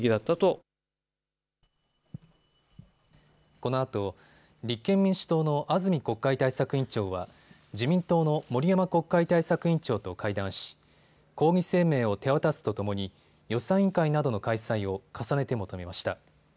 このあと立憲民主党の安住国会対策委員長は自民党の森山国会対策委員長と会談し抗議声明を手渡すとともに予算委員会などの開催を重ねて求めました。